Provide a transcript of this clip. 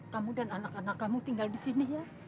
kamu dan anak anak kamu tinggal di sini ya